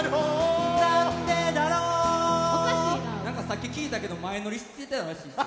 さっき聞いたけど前乗りしてたらしい。